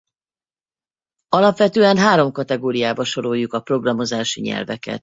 Alapvetően három kategóriába soroljuk a programozási nyelveket.